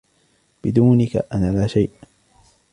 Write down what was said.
بدونك أنا لا شيء.